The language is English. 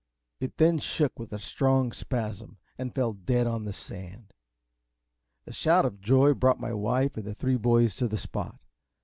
It then shook as with a strong spasm, and fell dead on the sand. A shout of joy brought my wife and the three boys to the spot.